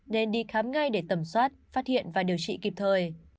nên đi khám ngay để tầm soát phát hiện và điều trị kịp thời